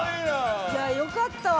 いやよかったわ